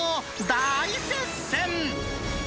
大接戦。